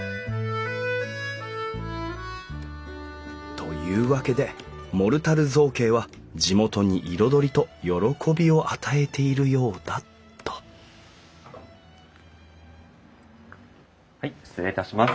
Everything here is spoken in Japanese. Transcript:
というわけでモルタル造形は地元に彩りと喜びを与えているようだとはい失礼いたします。